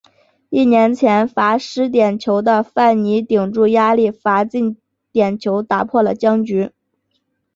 一年前罚失点球的范尼顶住压力罚进点球打破了僵局。